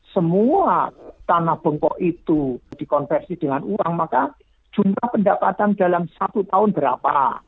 semua tanah bengkok itu dikonversi dengan uang maka jumlah pendapatan dalam satu tahun berapa